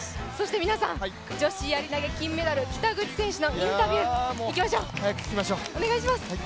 皆さん、女子やり投げ金メダル、北口選手のインタビュー聞きましょう。